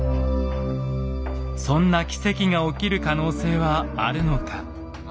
そんな奇跡が起きる可能性はあるのか。